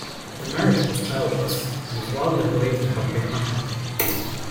The marriage was childless, and is widely believed to have been unhappy.